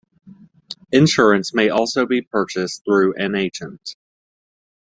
Insurance may also be purchased through an agent.